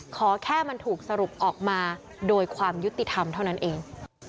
ขอแค่มันถูกสรุปออกมาโดยความยุติธรรมเท่านั้นเอง